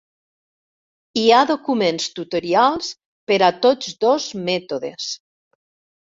Hi ha documents tutorials per a tots dos mètodes.